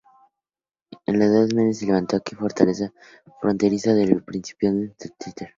En la Edad Media, se levantó aquí una fortaleza fronteriza del principado de Tver.